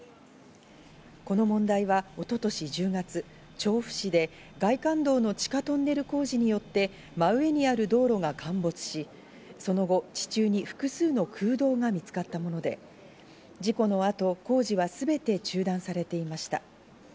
この問題は一昨年１０月、調布市で外環道の地下トンネル工事によって、真上にある道路が陥没し、その後、地中に複数の空洞が見つかったもので、次この後、工事はすべて中断されていました。